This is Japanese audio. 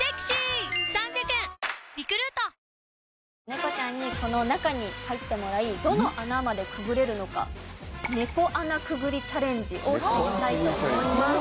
ネコちゃんにこの中に入ってもらいどの穴までくぐれるのかネコ穴くぐりチャレンジをしてみたいと思います。